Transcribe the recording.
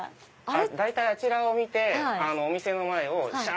大体あちらを見てお店の前をシャ！